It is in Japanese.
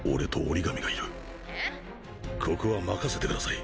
ここは任せてください